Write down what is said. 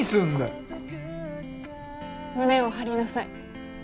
胸を張りなさい。